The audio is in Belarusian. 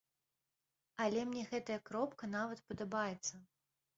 Але мне гэтая кропка нават падабаецца!